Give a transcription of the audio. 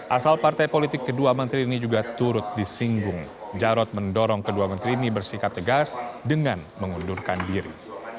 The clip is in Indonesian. asal partai politik kedua menteri ini juga turut disinggung jarod mendorong kedua menteri ini bersikap tegas dengan mengundurkan diri